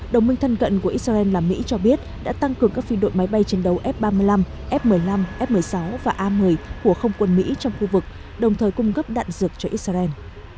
đồng minh thân cận của israel là mỹ cho biết đã tăng cường các phi đội máy bay chiến đấu f ba mươi năm f một mươi năm f một mươi sáu và a một mươi của không quân mỹ trong khu vực đồng thời cung cấp đạn dược cho israel